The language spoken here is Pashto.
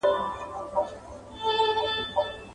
نن به یاد سي په لنډیو کي نومونه.